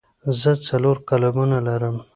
زه څلور قلمونه لرم.